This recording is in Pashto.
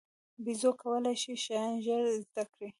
بیزو کولای شي شیان ژر زده کړي.